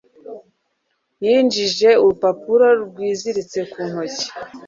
yinjije urupapuro rwiziritse mu ntoki.